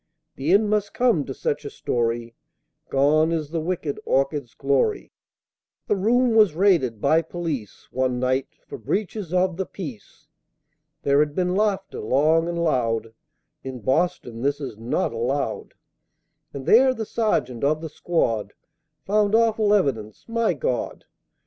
The end must come to such a story, Gone is the wicked Orchids' glory; The room was raided by police, One night, for breaches of the Peace (There had been laughter, long and loud, In Boston this is not allowed), And there, the sergeant of the squad Found awful evidence my God!